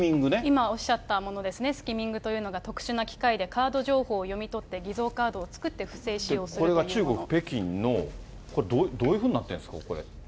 今おっしゃったものですね、スキミングというものは、特殊な機械でカード情報を読み取って、偽造カードを作って不正使用するこれは中国・北京の、これ、どういうふうになってるんですか、これ。